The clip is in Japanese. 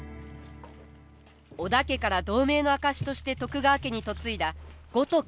織田家から同盟の証しとして徳川家に嫁いだ五徳。